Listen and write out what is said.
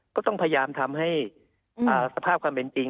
ก็ต้องพยายามทำให้สภาพความเป็นจริง